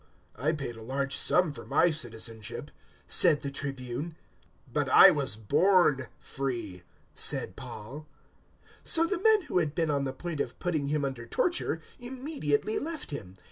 022:028 "I paid a large sum for my citizenship," said the Tribune. "But I was born free," said Paul. 022:029 So the men who had been on the point of putting him under torture immediately left him.